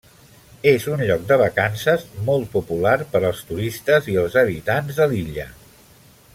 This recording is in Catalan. És un lloc de vacances molt popular per als turistes i els habitants de l'illa.